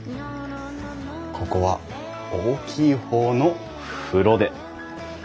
ここは大きい方の風呂で。